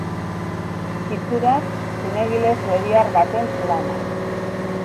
Itxuraz zinegile suediar baten lana.